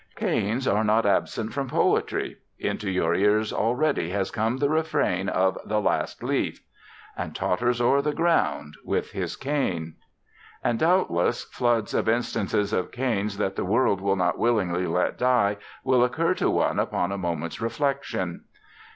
Canes are not absent from poetry. Into your ears already has come the refrain of "The Last Leaf": "And totters o'er the ground, With his cane." And, doubtless, floods of instances of canes that the world will not willingly let die will occur to one upon a moment's reflection.